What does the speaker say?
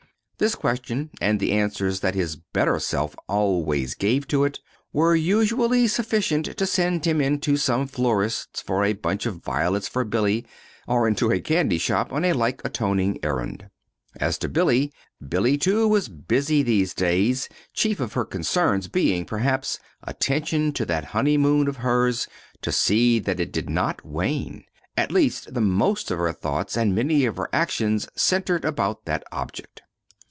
This question, and the answer that his better self always gave to it, were usually sufficient to send him into some florists for a bunch of violets for Billy, or into a candy shop on a like atoning errand. As to Billy Billy, too, was busy these days chief of her concerns being, perhaps, attention to that honeymoon of hers, to see that it did not wane. At least, the most of her thoughts, and many of her actions, centered about that object.